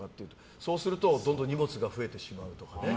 そうすると、どんどん荷物が増えてしまう。